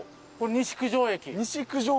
西九条駅。